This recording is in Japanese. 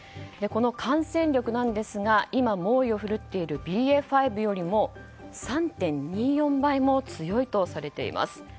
感染力ですが今、猛威を振るっているＢＡ．５よりも３．２４倍も強いとされています。